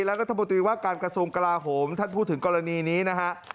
รัฐมนตรีว่าการกระทรวงกลาโหมท่านพูดถึงกรณีนี้นะฮะ